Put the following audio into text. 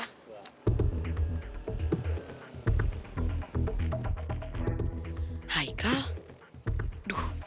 oh nanti nya mesti berterusak